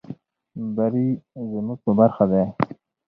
بري زموږ په برخه ده.